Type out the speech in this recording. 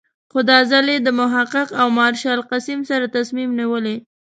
خو دا ځل یې له محقق او مارشال قسیم سره تصمیم نیولی.